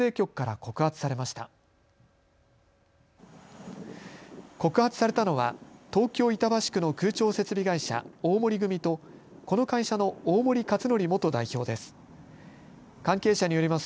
告発されたのは東京板橋区の空調設備会社、大森組とこの会社の大森克典元代表です。